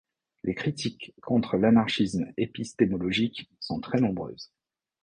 Les critiques contre l'anarchisme épistémologique sont très nombreuses.